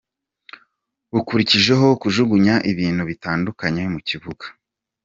Bakurikijeho kujugunya ibintu bitandukanye mu kibuga.